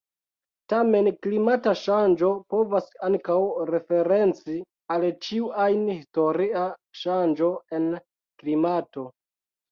Tamen klimata ŝanĝo povas ankaŭ referenci al ĉiu ajn historia ŝanĝo en klimato.